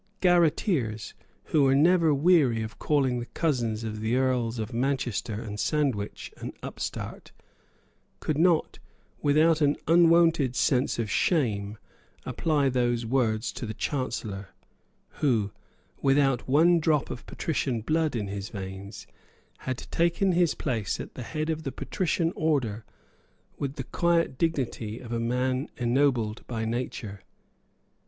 Garreteers, who were never weary of calling the cousin of the Earls of Manchester and Sandwich an upstart, could not, without an unwonted sense of shame, apply those words to the Chancellor, who, without one drop of patrician blood in his veins, had taken his place at the head of the patrician order with the quiet dignity of a man ennobled by nature.